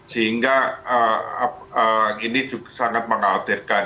sehingga ini sangat mengkhawatirkan